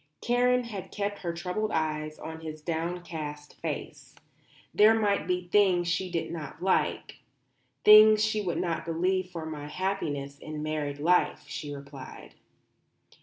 Karen had kept her troubled eyes on his downcast face. "There might be things she did not like; things she would not believe for my happiness in married life," she replied.